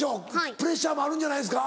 プレッシャーもあるんじゃないですか？